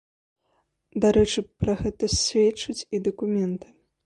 Дарэчы, пра гэта сведчаць і дакументы.